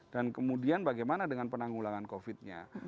dan kemudian bagaimana dengan penanggulangan covid nya